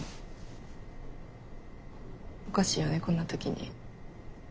おかしいよねこんな時に。